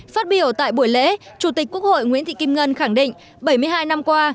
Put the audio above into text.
phát biểu tại buổi lễ chủ tịch quốc hội nguyễn thị kim ngân khẳng định bảy mươi hai năm qua